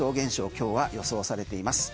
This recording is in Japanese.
今日は予想されています。